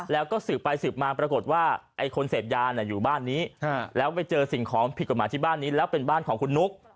แล้วก็สืบไปสืบมาปรากฏว่าไอ้คนเสพยาอยู่บ้านนี้แล้วไปเจอสิ่งของผิดกฎหมายที่บ้านนี้แล้วเป็นบ้านของคุณนุ๊ก